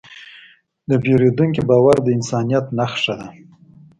د پیرودونکي باور د انسانیت نښه ده.